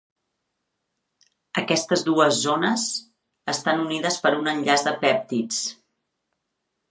Aquestes dues zones estan unides per un enllaç de pèptids.